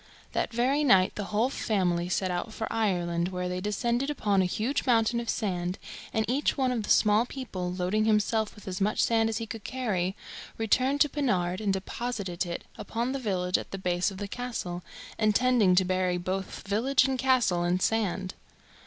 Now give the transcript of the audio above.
That very night the whole family set out for Ireland, where they descended upon a huge mountain of sand, and each one of the small people, loading himself with as much sand as he could carry, returned to Pennard and deposited it upon the village at the base of the castle, intending to bury both village and castle in sand.